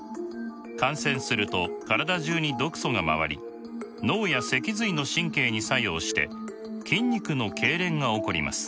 感染すると体中に毒素が回り脳や脊髄の神経に作用して筋肉のけいれんが起こります。